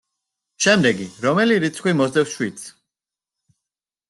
შემდეგი: რომელი რიცხვი მოსდევს შვიდს?